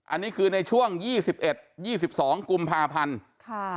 อันนี้คือในช่วง๒๑๒๒กุมภาพันธ์ค่ะ